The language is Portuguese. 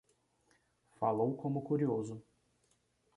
Falou como curioso.